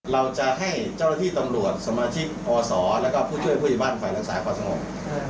เราจะให้เจ้าหน้าที่ตำรวจสมาชิกอศแล้วก็ผู้ช่วยผู้ใหญ่บ้านฝ่ายรักษาความสงบ